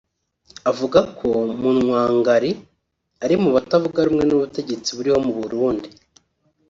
akavuga ko Munwangari ari mu batavuga rumwe n’ubutegetsi buriho mu Burundi